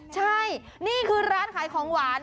ใช่นี่คือร้านขายของหวาน